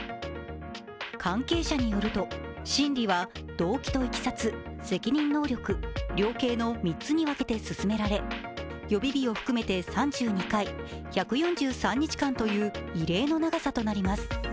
関係者によると、審理は動機といきさつ責任能力、量刑の３つに分けて進められ、予備日を含めて３２回、１４３日間という異例の長さとなります。